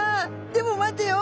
でも待てよ。